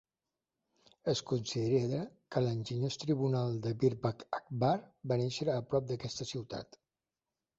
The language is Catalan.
Es considera que l'enginyós tribunal de Birbal d'Akbar va néixer a prop d'aquesta ciutat.